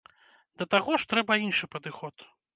Да таго ж, трэба іншы падыход.